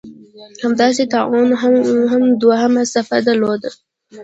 همداسې طاعون هم دوهمه څپه درلوده.